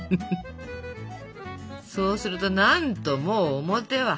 そうするとなんともう表は。